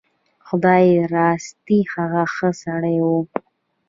خدای راستي هغه ښه سړی و.